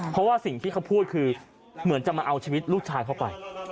เพราะว่าสิ่งที่เขาพูดคือเหมือนจะมาเอาชีวิตลูกชายเข้าไป